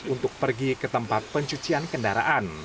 untuk pergi ke tempat pencucian kendaraan